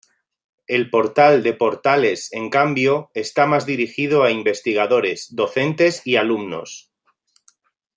El Portal de Portales en cambio, está más dirigido a investigadores, docentes y alumnos.